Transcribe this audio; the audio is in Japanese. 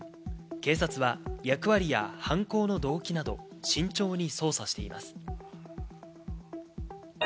警察は役割や犯行の動機など慎重に捜査しています。